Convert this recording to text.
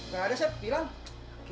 ga ada sep bilang